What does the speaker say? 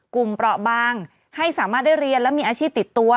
เปราะบางให้สามารถได้เรียนและมีอาชีพติดตัว